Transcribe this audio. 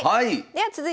はい！